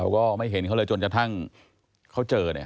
ก็ไม่เห็นเขาเลยจนกระทั่งเขาเจอเนี่ย